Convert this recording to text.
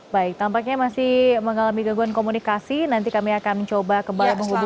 baik tampaknya masih mengalami gangguan komunikasi nanti kami akan coba kembali menghubungi